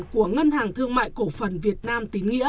của ngân hàng thương mại cổ phần việt nam